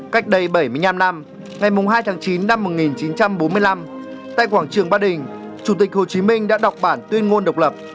cách đây bảy mươi năm năm ngày hai tháng chín năm một nghìn chín trăm bốn mươi năm tại quảng trường ba đình chủ tịch hồ chí minh đã đọc bản tuyên ngôn độc lập